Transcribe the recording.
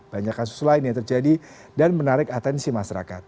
banyak kasus lain yang terjadi dan menarik atensi masyarakat